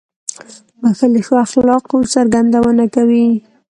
• بښل د ښو اخلاقو څرګندونه کوي.